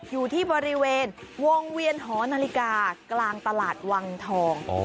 อยู่ที่บริเวณวงเวียนหอนาฬิกากลางตลาดวังทอง